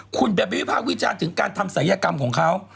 คุณไปวิภาควิจารณ์ถึงการทำศัยกรรมของเขา